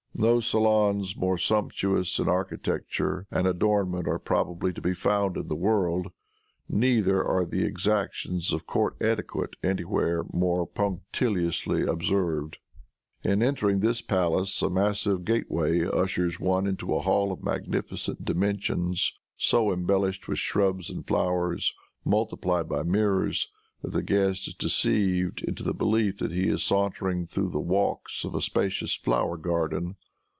No saloons more sumptuous in architecture and adornment are probably to be found in the world; neither are the exactions of court etiquette anywhere more punctiliously observed. In entering this palace a massive gateway ushers one into a hall of magnificent dimensions, so embellished with shrubs and flowers, multiplied by mirrors, that the guest is deceived into the belief that he is sauntering through the walks of a spacious flower garden.